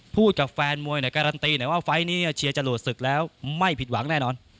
พูดกับแฟนมวยการันตีหน่อยว่าไฟล์นี้เชียร์จรวดศึกแล้วไม่ผิดหวังแน่นอน